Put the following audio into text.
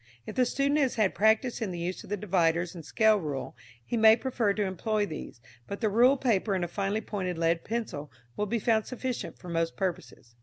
If the student has had practice in the use of the dividers and scale rule, he may prefer to employ these, but the ruled paper and a finely pointed lead pencil will be found sufficient for most purposes.